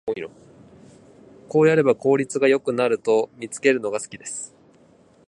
こうやれば効率が良くなると見つけるのが好きです